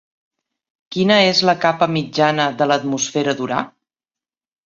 Quina és la capa mitjana de l'atmosfera d'Urà?